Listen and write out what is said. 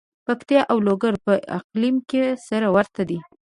پکتیا او لوګر په اقلیم کې سره ورته دي.